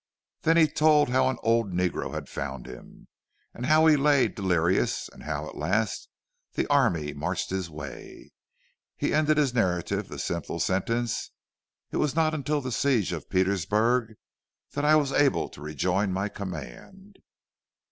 Then he told how an old negro had found him, and how he lay delirious; and how, at last, the army marched his way. He ended his narrative the simple sentence: "It was not until the siege of Petersburg that I was able to rejoin my Command."